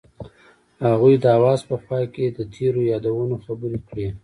هغوی د اواز په خوا کې تیرو یادونو خبرې کړې.